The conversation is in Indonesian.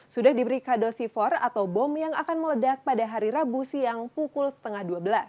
sudah diberi kadosifor atau bom yang akan meledak pada hari rabu siang pukul setengah dua belas